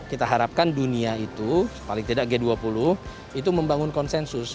kita harapkan dunia itu paling tidak g dua puluh itu membangun konsensus